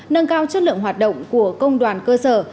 nâng cao chất lượng hoạt động của công đoàn cơ sở